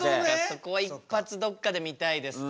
そこは一発どこかで見たいですか。